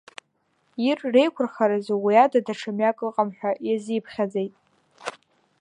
Ир реиқәырхаразы уи ада даҽа мҩак ыҟам ҳәа иазиԥхьаӡеит.